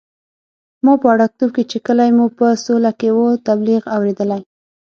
ما په وړکتوب کې چې کلی مو په سوله کې وو، تبلیغ اورېدلی.